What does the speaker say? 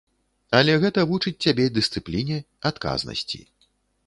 Але гэта вучыць цябе дысцыпліне, адказнасці.